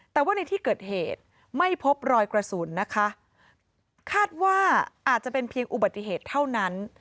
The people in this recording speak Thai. แต่ว่าในที่เกิดเหตุไม่พบรอยกระสุนนะคะคาดว่าอาจจะเป็นเพียงอุบัติเหตุเท่านั้น